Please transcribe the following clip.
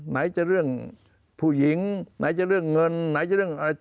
ไหนจะเรื่องผู้หญิงไหนจะเรื่องเงินไหนจะเรื่องอะไร